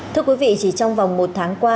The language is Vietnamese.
thưa quý vị chỉ trong vòng một tháng qua